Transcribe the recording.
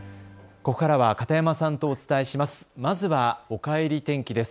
ここからは片山さんとお伝えします。